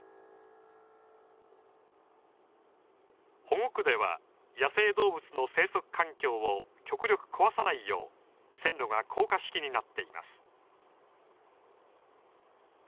保護区では野生動物の生息環境を極力壊さないよう線路が高架式になっています。